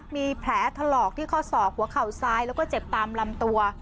มีแผลถลอกที่ข้อศอกหัวเข่าซ้ายแล้วก็เจ็บตามลำตัว